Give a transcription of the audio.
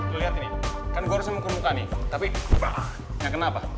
lo lihat nih kan gue harus mengukur muka nih tapi yang kena apa